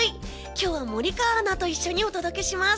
今日は森川アナと一緒にお届けします。